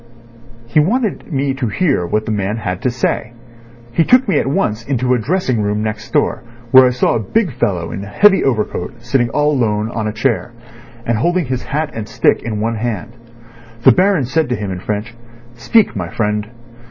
He wanted me to hear what that man had to say. He took me at once into a dressing room next door, where I saw a big fellow in a heavy overcoat sitting all alone on a chair, and holding his hat and stick in one hand. The Baron said to him in French 'Speak, my friend.